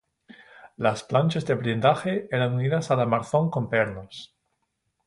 Las planchas de blindaje eran unidas al armazón con pernos.